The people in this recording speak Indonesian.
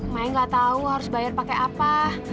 maya nggak tahu harus bayar pakai apa